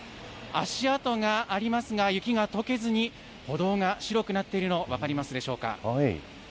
足跡がありますが、雪がとけずに、歩道が白くなっているの、分かりますでしょうか。